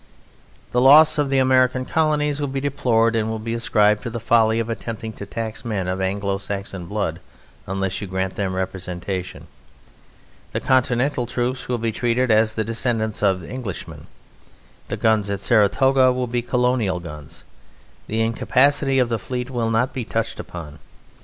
The loss of the American Colonies will be deplored, and will be ascribed to the folly of attempting to tax men of "Anglo Saxon" blood, unless you grant them representation. The Continental troops will be treated as the descendants of Englishmen! The guns at Saratoga will be Colonial guns; the incapacity of the Fleet will not be touched upon.